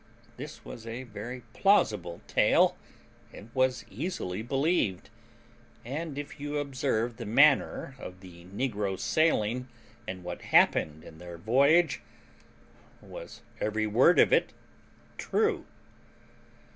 This was a very plausible tale, and was easily believed; and, if you observe the manner of the negroes' sailing, and what happened in their voyage, was every word of it true.